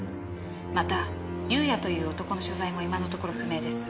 また裕也という男の所在も今のところ不明です。